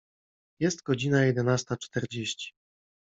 Jest godzina jedenasta czterdzieści.